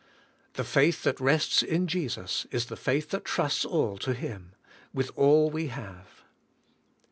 The faith that rests in Jesus, is the faith that trusts all to Him, with all we have.